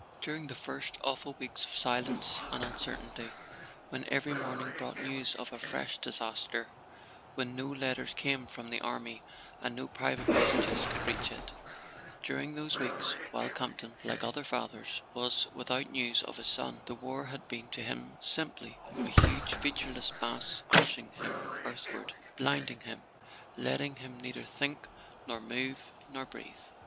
During the first awful weeks of silence and uncer¬ tainty, when every morning brought news of a fresh disaster, when no letters came from the army and no private messages could reach it—during those weeks, while Campton, like other fathers, was without news of his son, the war had been to him simply a huge fea¬ tureless mass crushing him earthward, blinding him, letting him neither think nor move nor breathe.